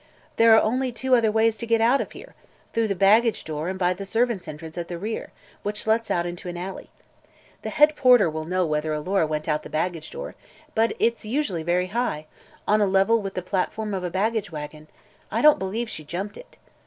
There are only two other ways to get out of here: through the baggage door and by the servants' entrance at the rear, which lets into an alley. The head porter will know whether Alora went out the baggage door, but as it's usually very high on a level with the platform of a baggage wagon I don't believe she jumped it.